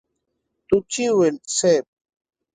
توپچي وويل: صېب!